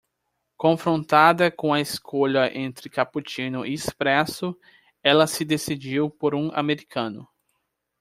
Confrontada com a escolha entre cappuccino e espresso, ela se decidiu por um americano.